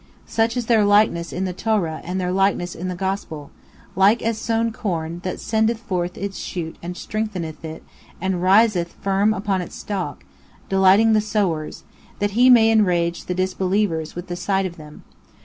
Such is their likeness in the Torah and their likeness in the Gospel like as sown corn that sendeth forth its shoot and strengtheneth it and riseth firm upon its stalk, delighting the sowers that He may enrage the disbelievers with (the sight of) them.